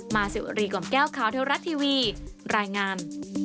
สิวรีกล่อมแก้วข่าวเทวรัฐทีวีรายงาน